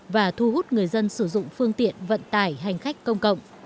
và thu hút người dân sử dụng phương tiện vận tải hành khách công cộng